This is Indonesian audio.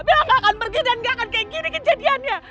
bella gak akan pergi dan gak akan kayak gini kejadiannya